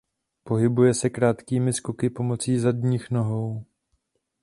Pohybuje se krátkými skoky pomocí zadních nohou.